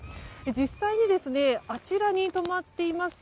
実際にあちらに止まっています